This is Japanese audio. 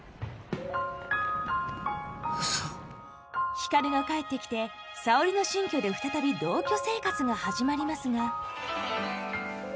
光が帰ってきて沙織の新居で再び同居生活が始まりますが。